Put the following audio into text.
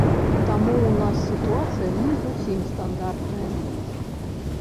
Таму ў нас сітуацыя не зусім стандартная.